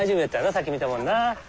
さっき見たもんな。